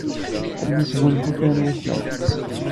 Ad nesgunfu kra n wussan.